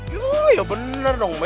iya bener dong be